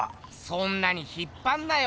そんなに引っぱんなよ！